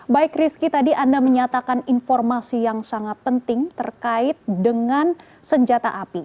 baik rizky tadi anda menyatakan informasi yang sangat penting terkait dengan senjata api